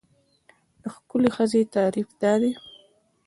د ښکلې ښځې تعریف دا دی.